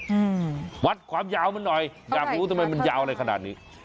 อืมวัดความยาวมันหน่อยอยากรู้ทำไมมันยาวอะไรขนาดนี้